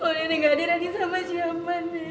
kalau nenek gaada nenek selamat siaman nenek